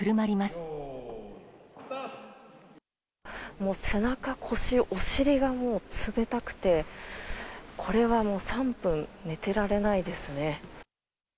もう背中、腰、お尻がもう冷たくて、これはもう３分寝てられないですね。